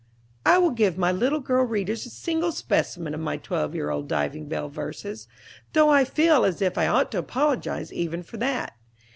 I will give my little girl readers a single specimen of my twelve year old "Diving Bell" verses, though I feel as if I ought to apologize even for that.